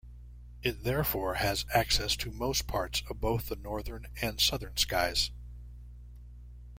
It therefore has access to most parts of both the northern and southern skies.